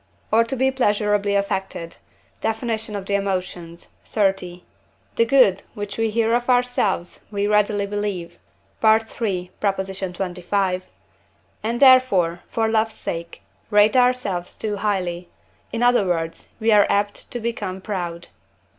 or to be pleasurably affected (Def. of the Emotions, xxx.); the good which we hear of ourselves we readily believe (III. xxv.); and therefore, for love's sake, rate ourselves too highly; in other words, we are apt to become proud.